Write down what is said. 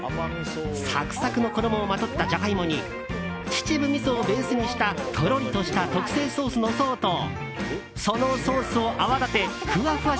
サクサクの衣をまとったジャガイモに秩父みそをベースにしたとろりとした特製ソースの層とそのソースを泡立てふわふわ